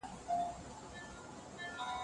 هم یاد سوئ